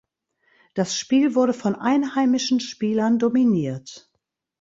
Das Spiel wurde von einheimischen Spielern dominiert.